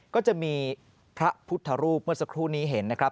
ก็จะมีพระพุทธรูปเมื่อสักครู่นี้เห็นนะครับ